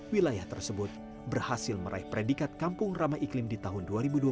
wilayah tersebut berhasil meraih predikat kampung ramai iklim di tahun dua ribu dua puluh